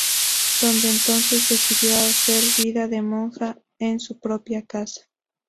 Desde entonces decidió hacer vida de monja en su propia casa.